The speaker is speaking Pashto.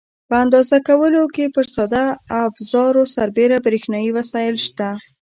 په اندازه کولو کې پر ساده افزارو سربېره برېښنایي وسایل شته.